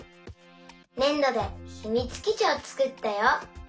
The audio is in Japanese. ねんどでひみつきちをつくったよ。